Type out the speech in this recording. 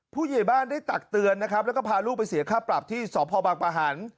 ผู้ใหญ่บ้านได้ตักเตือนนะครับแล้วก็พาลูกไปเสียค่าปรับที่สพบังปะหัน